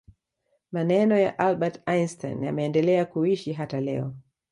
maneno ya albert einstein yameendelea kuishi hata leo